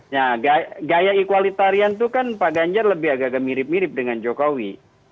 nah gaya ikhwalitarian itu kan pak ganjar lebih agak agak mirip mirip dengan jokowi